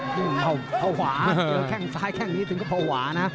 เพราหวาเหลือแข้งซ้ายแข้งนี้ถึงก็เพราหวานะ